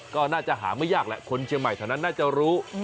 ก็น่าจะหาไม่ยากแหละคนเชียงใหม่แถวนั้นน่าจะรู้